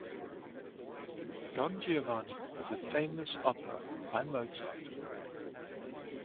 Don Giovanni is a famous opera by Mozart